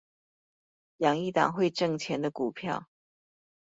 養一檔會掙錢的股票